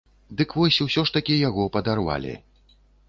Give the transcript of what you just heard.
Дык вось, усё ж такі яго падарвалі.